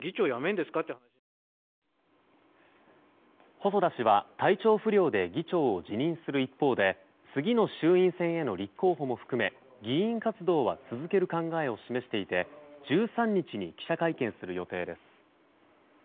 細田氏は、体調不良で議長を辞任する一方で次の衆院選への立候補も含め議員活動は続ける考えを示していて１３日に記者会見する予定です。